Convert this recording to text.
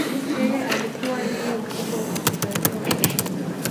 Yeye alikuwa ndiye mkubwa kwa kuzaliwa